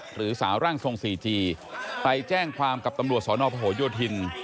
หรือสาวร่างทรงสี่จีไปแจ้งความกับตำรวจสนพโยธิน